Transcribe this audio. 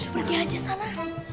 pergi aja sana